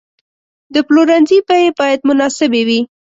د پلورنځي بیې باید مناسبې وي.